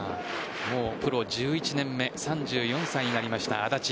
もうプロ１１年目３４歳になりました安達。